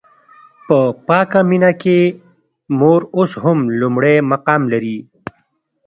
په پاکه مینه کې مور اوس هم لومړی مقام لري.